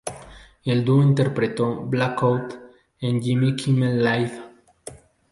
El dúo interpretó "Blackout" en Jimmy Kimmel Live!